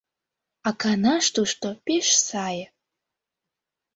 А канаш тушто пеш сае.